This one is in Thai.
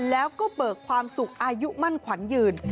แล้วก็เบิกความสุขอายุมั่นขวัญยืน